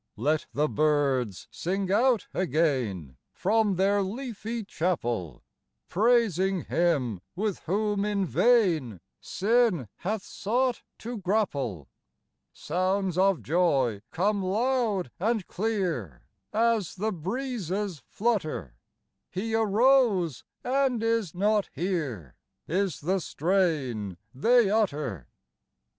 Let the birds sing out again From their leafy chapel, Praising Him with whom in vain Sin hath sought to grapple. Sounds of joy come loud and clear As the breezes flutter :" He arose, and is not here," Is the strain they utter.